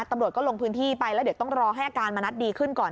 ตำรวจก็ลงพื้นที่ไปแล้วเดี๋ยวต้องรอให้อาการมณัฐดีขึ้นก่อน